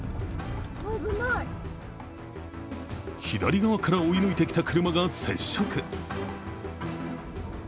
左側から追い抜いてきた車が接触。